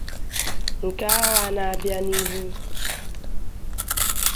nke ahọ a na-abịa n'ihu